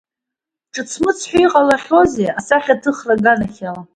Ҿыц-мыц ҳәа иҟалахьоузеи асахьаҭыхра аганахьала?